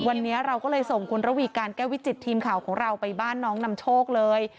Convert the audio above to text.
วันนี้เราก็เลยส่งคุณระวีการแก้ววิจิตทีมข่าวของเราไปบ้านน้องนำโชคเลย